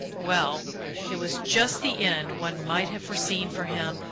Well it was just the end one might have foreseen for him.